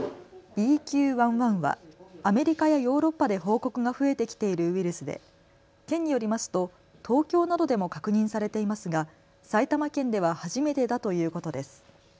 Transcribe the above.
ＢＱ．１．１はアメリカやヨーロッパで報告が増えてきているウイルスで県によりますと東京などでも確認されていますが埼玉県では初めてだということです。